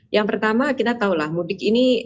yang pertama kita tahulah mudik ini